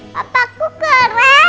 papa aku keren